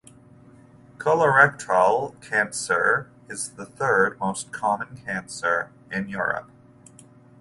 Colorectal cancer is the third most common cancer in Europe.